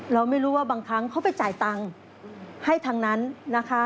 เราไม่รู้ว่าบางครั้งเขาไปจ่ายตังค์ให้ทางนั้นนะคะ